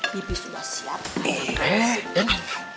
bibi sudah siap